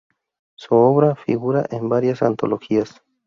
Su obra figura en varias antologías.